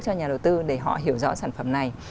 cho nhà đầu tư để họ hiểu rõ sản phẩm này